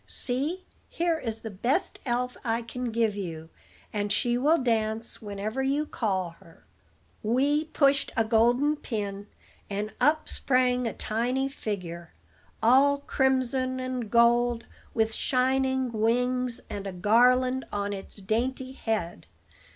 See, here is the best elf I can give you, and she will dance whenever you call her." Wee pushed a golden pin, and up sprang a tiny figure, all crimson and gold, with shining wings, and a garland on its dainty head.